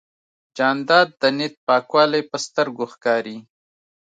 جانداد د نیت پاکوالی په سترګو ښکاري.